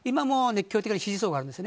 いろんな支持層があるんです。